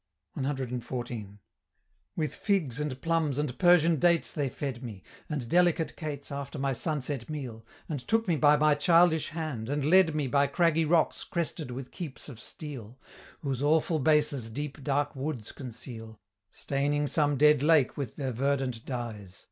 CXIV. "With figs and plums and Persian dates they fed me, And delicate cates after my sunset meal, And took me by my childish hand, and led me By craggy rocks crested with keeps of steel, Whose awful bases deep dark woods conceal, Staining some dead lake with their verdant dyes.